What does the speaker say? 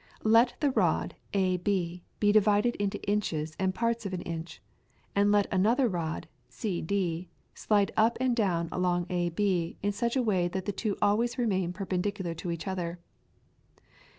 Let the rod AB be divided into inches and parts of an inch, and let another rod, CD, slide up and down along AB in such a way that the two always remain perpendicular to each other.